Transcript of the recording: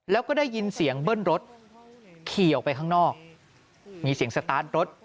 แล้วก็ได้ยินเสียงเบิ้ลรถขี่ออกไปข้างนอกมีเสียงสตาร์ทรถ